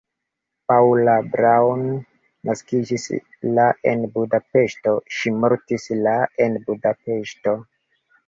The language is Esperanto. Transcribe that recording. Paula Braun naskiĝis la en Budapeŝto, ŝi mortis la en Budapeŝto.